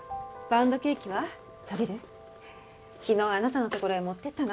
昨日あなたのところへ持っていったの。